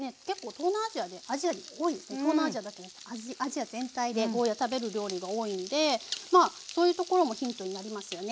東南アジアだけでなくアジア全体でゴーヤー食べる料理が多いんでそういうところもヒントになりますよね。